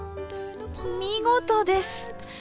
見事です。